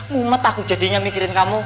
mu mah takut jadinya mikirin kamu